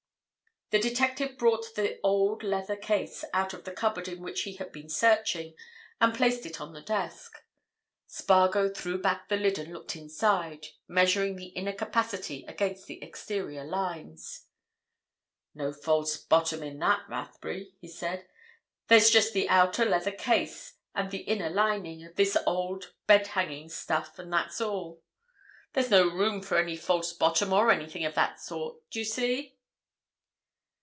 The detective brought the old leather case out of the cupboard in which he had been searching, and placed it on his desk. Spargo threw back the lid and looked inside, measuring the inner capacity against the exterior lines. "No false bottom in that, Rathbury," he said. "There's just the outer leather case, and the inner lining, of this old bed hanging stuff, and that's all. There's no room for any false bottom or anything of that sort, d'you see?"